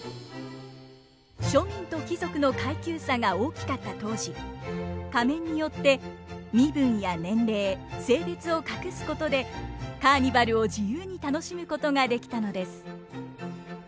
庶民と貴族の階級差が大きかった当時仮面によって身分や年齢性別を隠すことでカーニバルを自由に楽しむことができたのです。